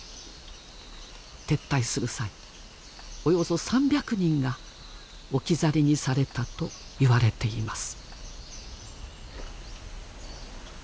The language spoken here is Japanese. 撤退する際およそ３００人が置き去りにされたといわれています。